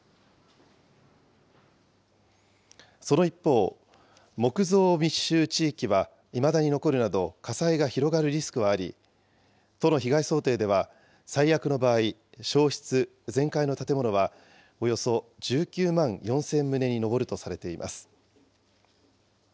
その一方、木造密集地域はいまだに残るなど、火災が広がるリスクはあり、都の被害想定では最悪の場合、焼失・全壊の建物は、およそ１９万４０００棟に上るとされています。